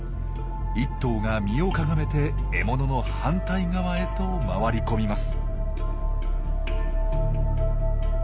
１頭が身をかがめて獲物の反対側へと回り込みます。